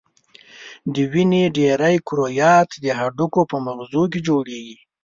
د وینې ډېری کرویات د هډوکو په مغزو کې جوړیږي.